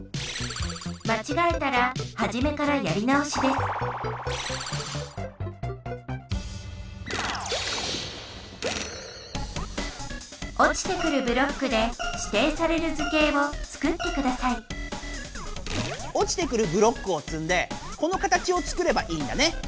まちがえたらはじめからやりなおしですおちてくるブロックでしていされる図形をつくってくださいおちてくるブロックをつんでこの形をつくればいいんだね。